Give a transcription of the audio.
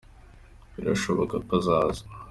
Birashoboka ko azaza